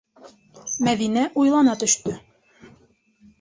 - Мәҙинә уйлана төштө.